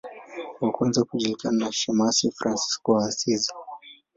Wa kwanza kujulikana ni shemasi Fransisko wa Asizi.